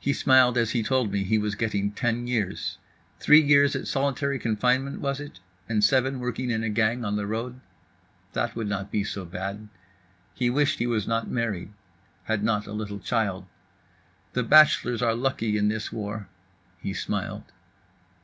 He smiled as he told me he was getting ten years. Three years at solitary confinement was it, and seven working in a gang on the road? That would not be so bad. He wished he was not married, had not a little child. "The bachelors are lucky in this war"—he smiled.